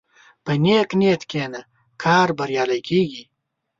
په نیک نیت کښېنه، کار بریالی کېږي.